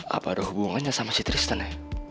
apa ada hubungannya sama si kristen ya